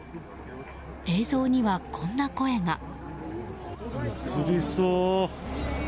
映像には、こんな声が。